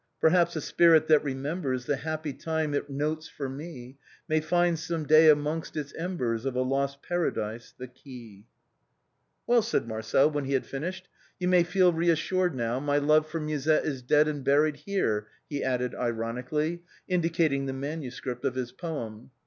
Perhaps a spirit that remembers The happy time it notes for me May find some day amongst its embers Of a lost Paradise the key." YOUTH IS FLEETING. 341 " Well," said Marcel, when he had finished ;" you may feel reassured now, my love for JMusette is dead and buried here," he added ironically, indicating the manuscript of his poem.